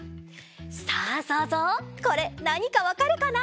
さあそうぞうこれなにかわかるかな？